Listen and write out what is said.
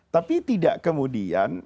tapi tidak kemudian